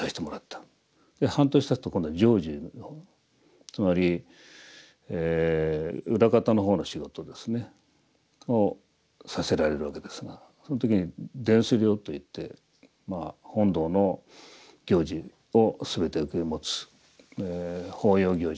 半年たつと今度は常住つまり裏方の方の仕事をさせられるわけですがその時に殿司寮といって本堂の行事を全て受け持つ法要行事